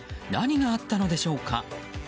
何があったのでしょうか。